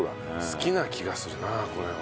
好きな気がするなこれは。